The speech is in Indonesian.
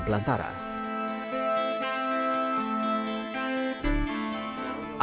masih merupakan hutan belantara